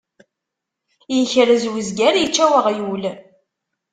Ikrez uzger, ičča uɣyul.